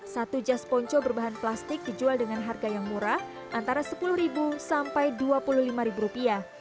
satu jas ponco berbahan plastik dijual dengan harga yang murah antara sepuluh sampai rp dua puluh lima rupiah